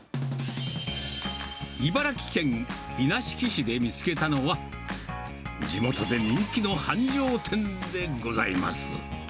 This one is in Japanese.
茨城県稲敷市で見つけたのは、地元で人気の繁盛店でございます。